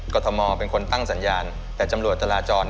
ก็ทมเป็นคนตั้งสัญญาณแต่จำหลวงจารณ์จร